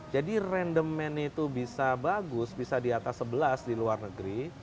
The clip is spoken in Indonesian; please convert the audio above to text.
jadi random man nya itu bisa bagus bisa di atas sebelas di luar negeri